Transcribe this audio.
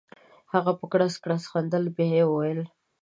هغه په کړس کړس خندل بیا یې وویل.